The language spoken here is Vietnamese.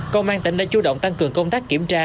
công an tỉnh đã chủ động tăng cường công tác kiểm tra